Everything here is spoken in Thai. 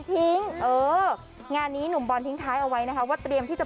เอองานนี้หนุ่มบอลทิ้งท้ายเอาไว้นะคะว่าเตรียมที่จะ